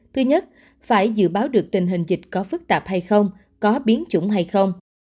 thứ nhất phải dự báo được tình hình dịch có phức tạp hay không có biến chủng hay không